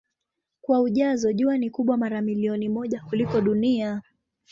Kwa ujazo Jua ni kubwa mara milioni moja kuliko Dunia.